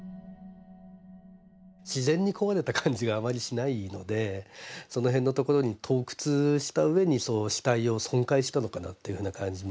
自然に壊れた感じがあまりしないのでその辺のところに盗掘した上に死体を損壊したのかなというふうな感じまで受けて。